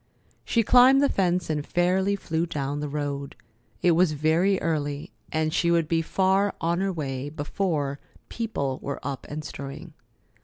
She climbed the fence and fairly flew down the road. It was very early, and she would be far on her way before people were up and stirring.